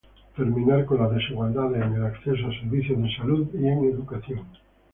terminar con las desigualdades en el acceso a servicios de salud y en educación;